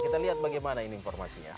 kita lihat bagaimana ini informasinya